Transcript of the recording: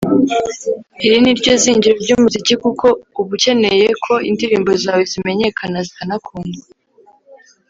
iri ni ryo zingiro ry’umuziki kuko uba ukeneye ko indirimbo zawe zimenyakana, zikanakundwa.